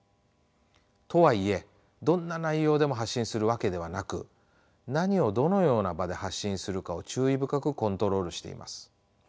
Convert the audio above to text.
とはいえどんな内容でも発信するわけではなく何をどのような場で発信するかを注意深くコントロールしています。